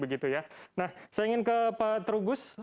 saya ingin ke pak trubus